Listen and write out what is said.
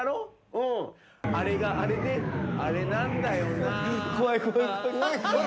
うんあれがあれであれなんだよな